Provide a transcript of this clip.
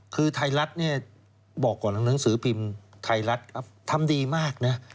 คือไทยรัฐเนี่ยบอกก่อนหนังสือพิมพ์ไทยรัฐครับทำดีมากนะ